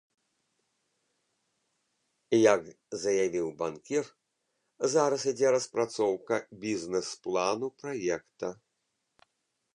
Як заявіў банкір, зараз ідзе распрацоўка бізнэс-плану праекта.